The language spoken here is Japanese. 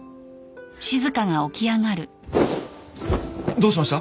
どうしました！？